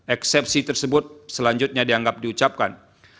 eksepsi tersebut selanjutnya dianggap diucapkan